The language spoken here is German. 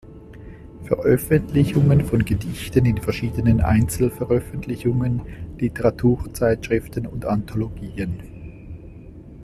Veröffentlichungen von Gedichten in verschiedenen Einzelveröffentlichungen, Literaturzeitschriften und Anthologien.